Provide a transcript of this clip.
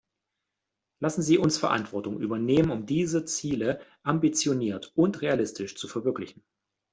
Lassen Sie uns Verantwortung übernehmen, um diese Ziele ambitioniert und realistisch zu verwirklichen.